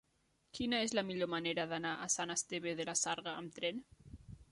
Quina és la millor manera d'anar a Sant Esteve de la Sarga amb tren?